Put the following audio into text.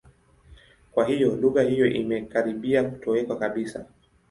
Kwa hiyo, lugha hiyo imekaribia kutoweka kabisa.